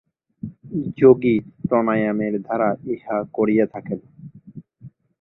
যোগী প্রাণায়ামের দ্বারা ইহা করিয়া থাকেন।